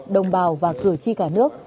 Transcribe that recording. đồng bào và cử tri cả nước